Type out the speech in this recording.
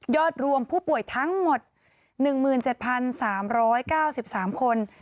รวมผู้ป่วยทั้งหมด๑๗๓๙๓คน